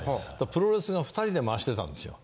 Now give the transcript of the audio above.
プロレスが２人で回してたんですよ。